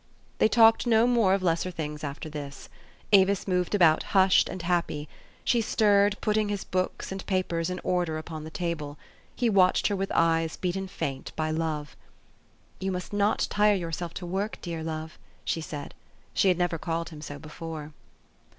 They talked no more of lesser things after this. Avis moved about hushed and happy ; she stirred, putting his books and papers in order upon the table. He watched her with eyes beaten faint by love. " You must not tire yourself to work, dear love," she said. She had never called him so before.